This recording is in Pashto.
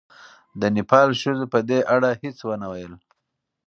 د نېپال ښځو په دې اړه هېڅ ونه ویل.